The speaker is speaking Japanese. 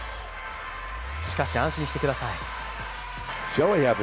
しかし、安心してください。